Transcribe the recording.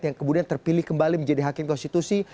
yang kemudian terpilih kembali menjadi hakim konstitusi